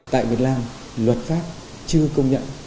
tại việt nam luật pháp chưa công nhận